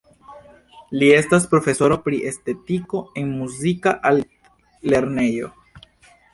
Li estas profesoro pri estetiko en muzika altlernejo.